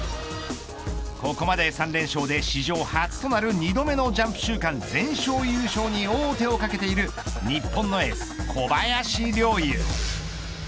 ここまで３連勝で史上初となる２度目のジャンプ週間全勝優勝に王手を懸けている日本のエース小林陵侑。